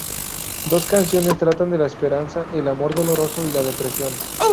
Dos canciones tratan de la esperanza, el amor doloroso y la depresión.